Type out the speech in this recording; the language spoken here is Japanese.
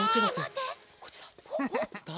こっちだ！